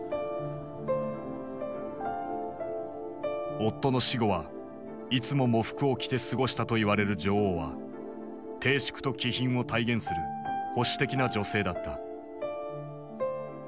夫の死後はいつも喪服を着て過ごしたといわれる女王は貞淑と気品を体現する保守的な女性だった。